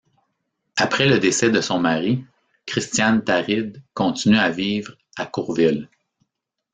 Après le décès de son mari, Christiane Tarride continue à vivre à Courville.